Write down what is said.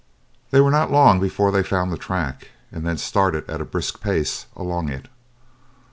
They were not long before they found the track, and then started at a brisk pace along it.